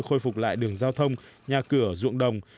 khôi phục lại đường giao thông nhà cửa ruộng đồng